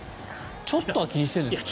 ちょっとは気にしてるんですかね。